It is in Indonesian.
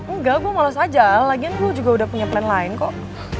enggak gue malos aja lagian gue juga udah punya plan lain kok